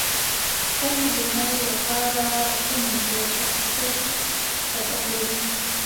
• سترګې د نورو لپاره زموږ د شخصیت څرګندوي.